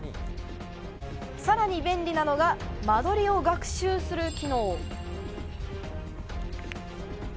さらに便利なのが間取りを学習する機能。